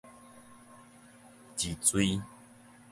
是誰